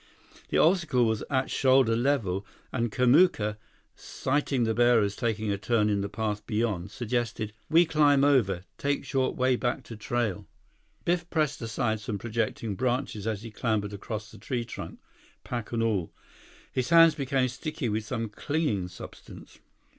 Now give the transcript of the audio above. The obstacle was at shoulder level, and Kamuka, sighting the bearers taking a turn in the path beyond, suggested: "We climb over. Take short way back to trail." Biff pressed aside some projecting branches as he clambered across the tree trunk, pack and all. His hands became sticky with some clinging substance.